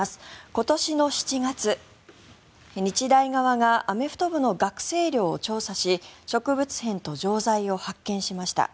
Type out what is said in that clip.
今年の７月、日大側がアメフト部の学生寮を調査し植物片と錠剤を発見しました。